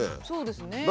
そうですね。